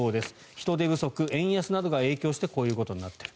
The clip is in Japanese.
人手不足、円安などが影響してこういうことになっている。